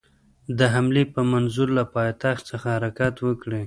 د حملې په منظور له پایتخت څخه حرکت وکړي.